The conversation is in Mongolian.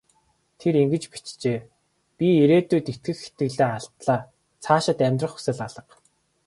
Тэр ингэж бичжээ: "Би ирээдүйд итгэх итгэлээ алдлаа. Цаашид амьдрах хүсэл алга".